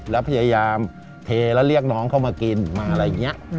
แล้วพยายามเทแล้วเรียกน้องเข้ามากินมาอะไรอย่างนี้